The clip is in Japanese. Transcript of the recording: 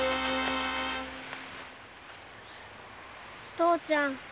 父ちゃん